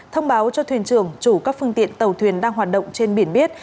thông báo cho thuyền trưởng chủ các phương tiện tàu thuyền đang hoạt động trên biển biết